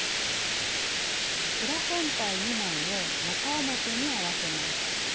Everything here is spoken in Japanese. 裏本体２枚を中表に合わせます。